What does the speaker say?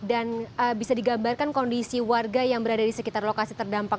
dan bisa digambarkan kondisi warga yang berada di sekitar lokasi terdampak